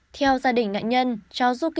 theo gia đình nạn nhân